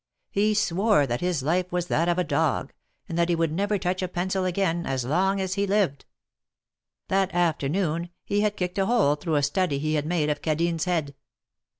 He swore that his life was that of a dog, and that he would never touch a pencil again, as long as he lived. That afternoon he had kicked a hole through a study he had made of Cadine's head.